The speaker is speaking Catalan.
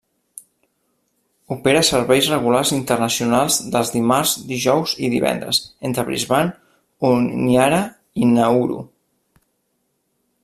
Opera serveis regulars internacionals dels dimarts, dijous i divendres, entre Brisbane, Honiara i Nauru.